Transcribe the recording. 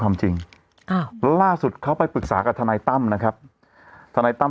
ความจริงอ้าวล่าสุดเขาไปปรึกษากับทนายการตั้งนะครับ